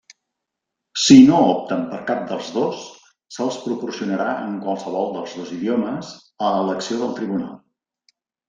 Si no opten per cap dels dos, se'ls proporcionarà en qualsevol dels dos idiomes, a elecció del tribunal.